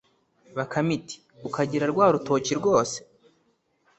bakame iti: “ukagira rwa rutoki rwose